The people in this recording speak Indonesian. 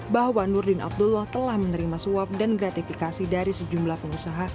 bahwa nurdin abdullah telah menerima suap dan gratifikasi dari sejumlah pengusaha